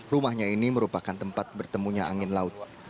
rumahnya ini merupakan tempat bertemunya angin laut